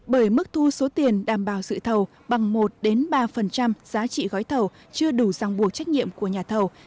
bởi mức thu số tiền đảm bảo dự thầu bằng một ba giá trị gói thầu chưa đủ giang buộc trách nhiệm của nhà thầu